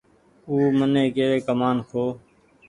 او مني ڪيوي ڪمآن کو